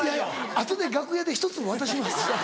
あとで楽屋でひと粒渡します。